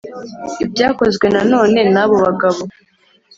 Ibyakozwe Nanone n abo bagabo